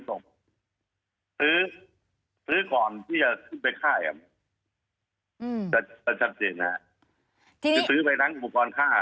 ซื้อซื้อก่อนที่จะขึ้นไปค่ายครับแต่ซื้อไปทั้งอุปกรณ์ฆ่า